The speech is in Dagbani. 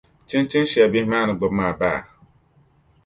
Chinchini shɛli bihi maa ni di gbubi maa baa?